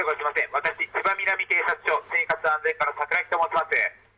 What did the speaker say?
私、千葉南警察署生活安全課のカツラギと申します。